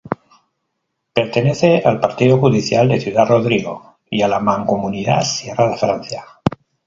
Pertenece al partido judicial de Ciudad Rodrigo y a la mancomunidad Sierra de Francia.